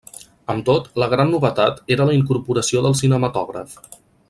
Amb tot, la gran novetat era la incorporació del cinematògraf.